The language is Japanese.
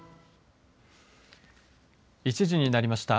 １時になりました。